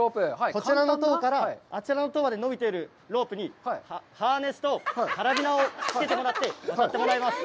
こちらの塔からあちらの塔まで伸びているハーネスとカラビナを付けてもらって渡ってもらいます。